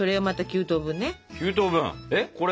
９等分！